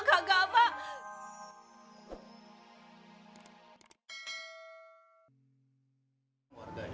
kak gama kak gama